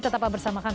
tetap bersama kami